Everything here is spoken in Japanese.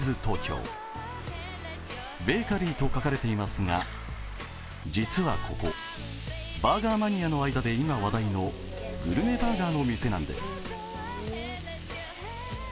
ベーカリーと書かれていますが、実はここ、バーガーマニアの間で今話題のグルメバーガーの店なんです。